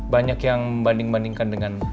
banyak yang membanding bandingkan dengan